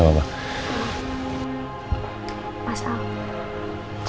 jangan lupa bismillah dulu ya